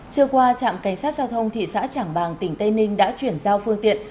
trưa qua trạm cảnh sát giao thông thị xã trảng bàng tỉnh tây ninh đã chuyển giao phương tiện